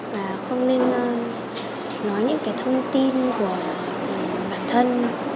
và không nên nói những cái thông tin của bản thân